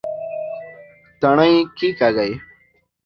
تڼي کېکاږئ